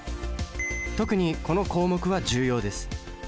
特にこの項目は重要です。